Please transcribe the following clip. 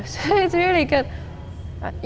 jadi itu sangat bagus